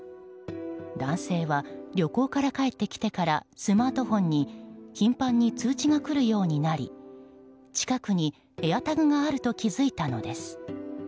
男性は、旅行から帰ってきてからスマートフォンに頻繁に通知が来るようになり近くにＡｉｒＴａｇがあると気づいたのです。